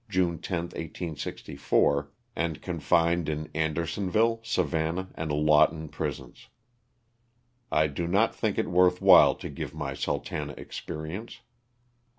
June 10, 1864, and confined in Andersonville, Savannah and Lawton prisons. I do not think it worth while to give my "Sultana" experience.